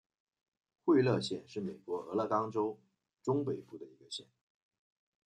惠勒县是美国俄勒冈州中北部的一个县。